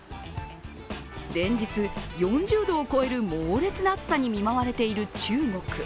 連日４０度を超える猛烈な暑さに見舞われている中国。